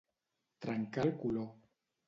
Trencar el color.